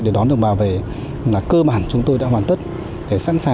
để đón được bảo vệ là cơ bản chúng tôi đã hoàn tất